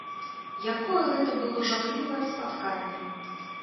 Якое гэта было жахлівае спатканне!